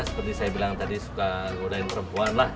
seperti saya bilang tadi suka godain perempuan lah